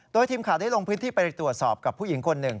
โดยทีมข่าวได้ลงพื้นที่ไปตรวจสอบกับผู้หญิงคนหนึ่ง